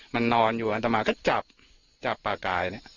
มันนอนอยู่อ่ะแต่ว่าก็จับจับปลากัล